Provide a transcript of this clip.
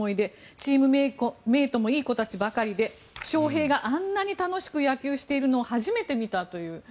チームメートもいい子たちばかりで翔平があんなに楽しく野球しているのを初めて見たという。